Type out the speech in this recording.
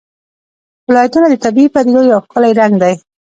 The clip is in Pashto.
ولایتونه د طبیعي پدیدو یو ښکلی رنګ دی.